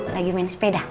lagi main sepeda